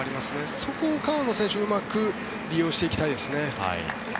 そこを川野選手はうまく利用していきたいですね。